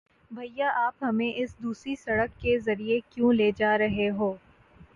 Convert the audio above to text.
بھیا، آپ ہمیں اس دوسری سڑک کے ذریعے کیوں لے جا رہے ہو؟